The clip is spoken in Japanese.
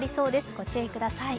ご注意ください。